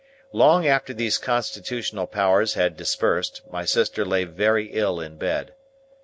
Long after these constitutional powers had dispersed, my sister lay very ill in bed.